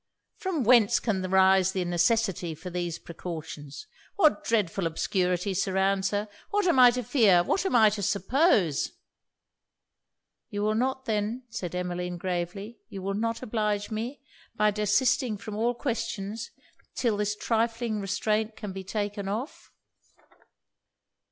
from whence can arise the necessity for these precautions! What dreadful obscurity surrounds her! What am I to fear? What am I to suppose?' 'You will not, then,' said Emmeline, gravely 'you will not oblige me, by desisting from all questions 'till this trifling restraint can be taken off?'